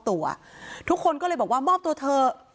ตัวทุกคนก็เลยบอกว่ามอบตัวเถอะ